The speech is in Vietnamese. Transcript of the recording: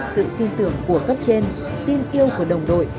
sự tin tưởng của cấp trên tin yêu của đồng đội